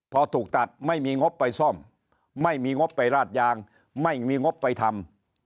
พอถูกตัดไม่มีงบไปซ่อมไม่มีงบไปราดยางไม่มีงบไปทำ